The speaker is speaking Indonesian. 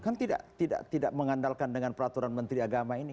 kan tidak mengandalkan dengan peraturan menteri agama ini